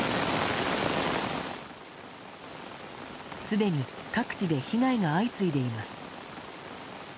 すでに各地で被害が相次いでいます。